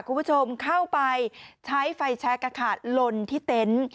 คุณผู้ชมเข้าไปใช้ไฟแชร์กะขาดลนที่เต้น